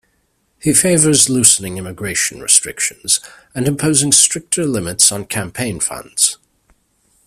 He favors loosening immigration restrictions and imposing stricter limits on campaign funds.